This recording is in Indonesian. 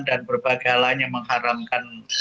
dan berbagai hal lain yang mengharamkan